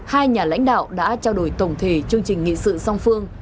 hai nhà lãnh đạo đã trao đổi tổng thể chương trình nghị sự song phương